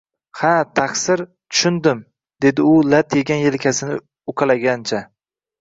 – Ha, taqsir, tushundim, – debdi u lat yegan yelkasini uqalagancha